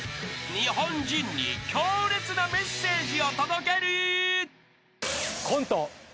［日本人に強烈なメッセージを届ける］